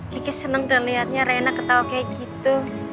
kiki senang udah ngeliatnya reina ketawa kayak gitu